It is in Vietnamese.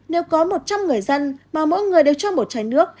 nếu có một trăm linh người dân mà mỗi người đều cho một chai nước